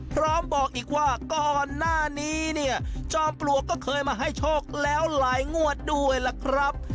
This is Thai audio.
พร้อมบอกอีกว่าก่อนหน้านี้เนี่ยจอมปลวกก็เคยมาให้โชคแล้วหลายงวดด้วยล่ะครับ